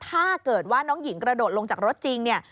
ถ้าเกิดว่าน้องหญิงกระโดดลงจากรถจริงเนี่ย